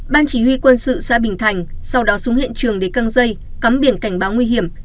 ban chỉ huy quân sự xã bình thành sau đó xuống hiện trường để căng dây cắm biển cảnh báo nguy hiểm